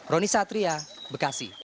roni satria bekasi